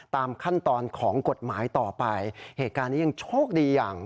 ตามขั้นตอนของกฎหมายต่อไปเหตุการณ์นี้ยังโชคดีอย่าง